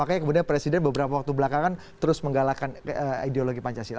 karena presiden beberapa waktu belakangan terus menggalakkan ideologi pancasila